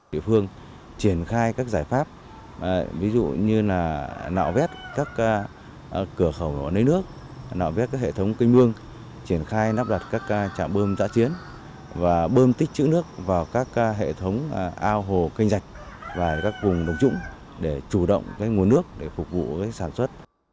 thị phương triển khai các giải pháp ví dụ như là nạo vét các cửa khẩu nơi nước nạo vét các hệ thống kênh mương triển khai nắp đặt các trạm bơm tạ chiến và bơm tích chữ nước vào các hệ thống ao hồ kênh dạch và các vùng đồng trụng để chủ động nguồn nước để phục vụ sản xuất